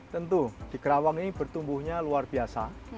tentu di kerawang ini bertumbuhnya luar biasa